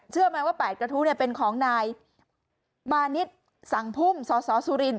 เชื่อมันว่าแปดกระทู้เนี่ยเป็นของนายบานิสสังพุ่มสสสุริน